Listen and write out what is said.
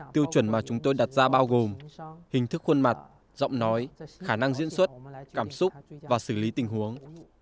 tiêu chuẩn mà chúng tôi đặt ra bao gồm hình thức khuôn mặt giọng nói khả năng diễn xuất cảm xúc và xử lý tình huống